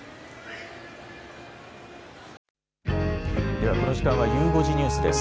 ではこの時間はゆう５時ニュースです。